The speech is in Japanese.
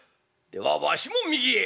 ではわしも右へ。